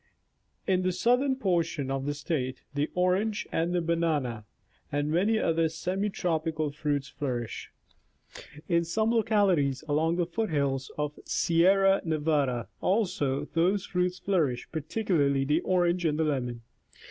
In the southei'n portion of the State, the orange and the banana and many other semi tropical fruits flourish. In some localities along the foot hills of the Sierra Nevada, also, those fruits flourish, particularly the orange and the lemon.